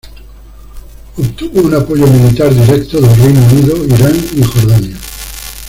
Obtuvo un apoyo militar directo del Reino Unido, Irán y Jordania.